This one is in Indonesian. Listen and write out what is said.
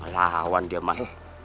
lawan dia mas